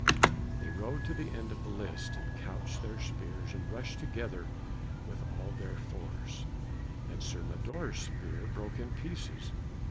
They rode to the end of the lists, and couched their spears and rushed together with all their force, and Sir Mador's spear broke in pieces.